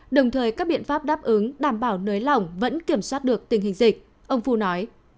đồng thời các biện pháp đáp ứng đảm bảo nới lỏng vẫn kiểm soát được tình hình dịch ông phu nói